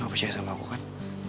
kamu percaya sama aku kan